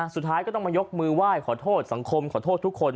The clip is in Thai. สุดท้ายก็ต้องมายกมือไหว้ขอโทษสังคมขอโทษทุกคน